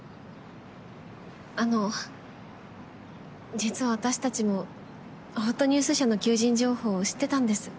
あの実は私たちもほっとニュース社の求人情報知ってたんです。